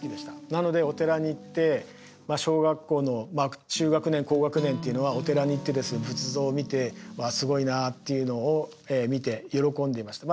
なのでお寺に行って小学校の中学年高学年っていうのはお寺に行って仏像を見て「うわすごいな」っていうのを見て喜んでいました。